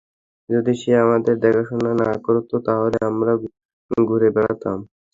যদি সে আমাদের দেখাশোনা না করত, তাহলে আমরা ঘুড়ে বেড়াতাম।